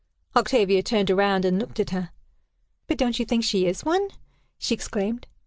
Octavia turned around, and looked at her. "But don't you think she is one?" she exclaimed.